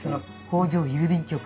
「北条郵便局」。